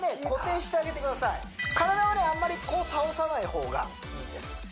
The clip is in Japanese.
固定してあげてください体はねあんまりこう倒さないほうがいいです